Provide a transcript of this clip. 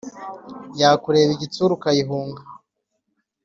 Yakureba igitsure ukayihunga